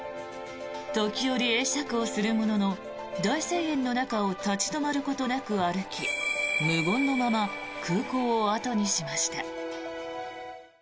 時折、会釈をするものの大声援の中を立ち止まることなく歩き無言のまま空港を後にしました。